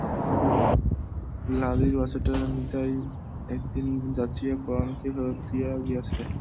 লালীর বাছুরটা নিতাই একদিন যাচিয়া পরাণকে ফেরত দিয়া গিয়াছে।